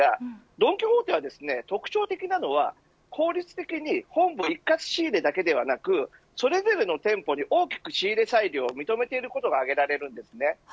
ドン・キホーテが特徴的なのは効率的に本部一括仕入れだけではなくそれぞれの店舗に大きく仕入れ裁量を認めていることがあげられます。